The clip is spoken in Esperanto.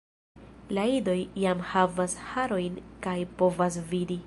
La idoj jam havas harojn kaj povas vidi.